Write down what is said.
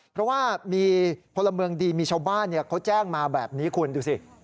เพราะว่ามีพลเมืองดีมีชาวบ้านเขาแจ้งมาแบบนี้คุณดูสิ